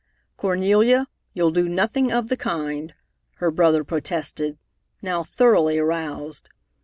"Cornelia, you'll do nothing of the kind," her brother protested, now thoroughly aroused.